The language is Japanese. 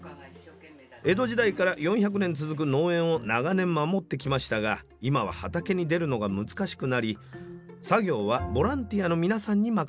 江戸時代から４００年続く農園を長年守ってきましたが今は畑に出るのが難しくなり作業はボランティアの皆さんに任せています。